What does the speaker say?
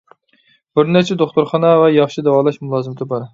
بىر نەچچە دوختۇرخانا ۋە ياخشى داۋالاش مۇلازىمىتى بار.